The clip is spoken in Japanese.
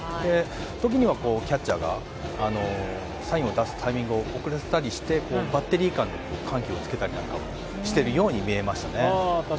時にはキャッチャーが、サインを出すタイミングを送らせたりしてバッテリーの緩急をつけたりしてるように見えました。